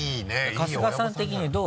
春日さん的にどう？